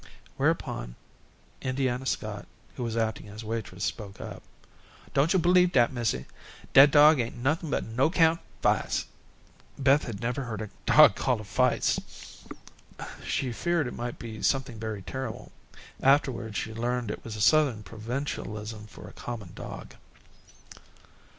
Whereupon Indianna Scott, who was acting as waitress, spoke up: "Don't yo' b'lieve dat, missy. Dat dog am nothin' but a no 'count fice." Beth had never heard a dog called a fice. She feared it might be something very terrible. Afterwards she learned that it was a Southern provincialism for a common dog.